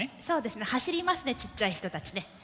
そうですね走りますねちっちゃい人たちね。